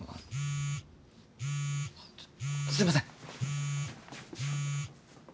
すいません